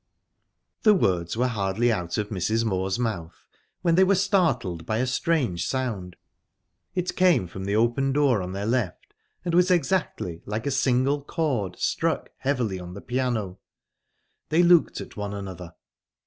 The words were hardly out of Mrs. Moor's mouth when they were startled by a strange sound. It came from the open door on their left, and was exactly like a single chord struck heavily on the piano. They looked at one another.